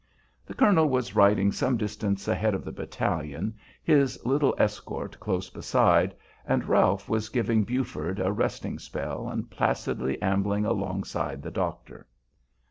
The colonel was riding some distance ahead of the battalion, his little escort close beside, and Ralph was giving Buford a resting spell, and placidly ambling alongside the doctor.